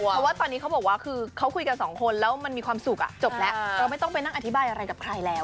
เพราะว่าตอนนี้เขาบอกว่าคือเขาคุยกันสองคนแล้วมันมีความสุขจบแล้วเราไม่ต้องไปนั่งอธิบายอะไรกับใครแล้ว